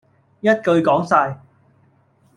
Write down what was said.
一句講曬